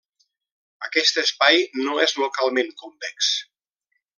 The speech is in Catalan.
Aquest espai no és localment convex.